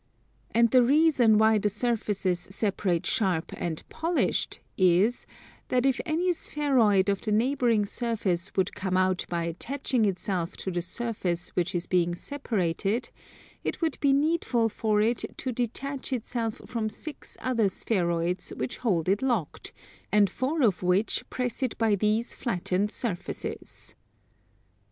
And the reason why the surfaces separate sharp and polished is that if any spheroid of the neighbouring surface would come out by attaching itself to the surface which is being separated, it would be needful for it to detach itself from six other spheroids which hold it locked, and four of which press it by these flattened surfaces.